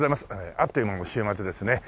あっという間に週末ですね。